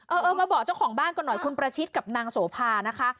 เออเออมาบอกเจ้าของบ้านก่อนหน่อยคุณประชิดกับนางโสภานะคะ